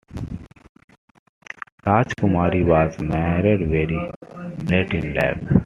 Rajkumari was married very late in life.